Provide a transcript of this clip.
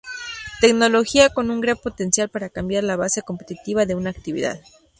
Tecnología con un gran potencial para cambiar la base competitiva de una actividad.